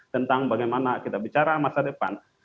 tentang bagaimana kita bicara masa depan